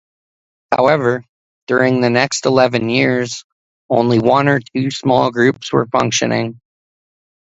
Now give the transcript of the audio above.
However, during the next eleven years, only one or two small groups were functioning.